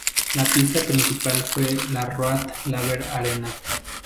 La pista principal fue la Rod Laver Arena.